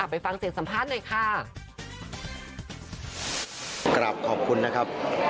กลับไปฟังเสียงสัมภาษณ์นะคะ